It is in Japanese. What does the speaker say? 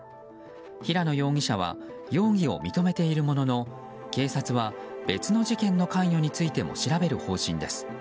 平野容疑者は容疑を認めているものの警察は別の事件の関与についても調べる方針です。